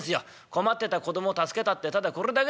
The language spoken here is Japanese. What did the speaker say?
困ってた子供を助けたってただこれだけですからね。